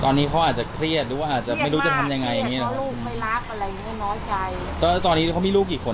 ตอนนี้เขาอาจจะเครียดหรือว่าอาจจะไม่รู้จะทำยังไงอย่างเงี้ยเครียดมากเครียด